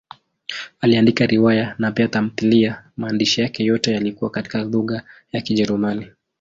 Aliandika riwaya na pia tamthiliya; maandishi yake yote yalikuwa katika lugha ya Kijerumani.